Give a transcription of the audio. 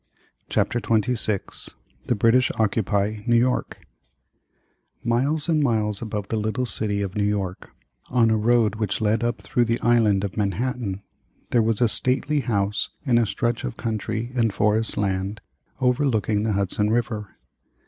CHAPTER XXVI THE BRITISH OCCUPY NEW YORK Miles and miles above the little city of New York, on a road which led up through the Island of Manhattan, there was a stately house in a stretch of country and forest land overlooking the Hudson River.